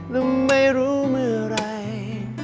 ลุงไม่รู้เมื่อไหร่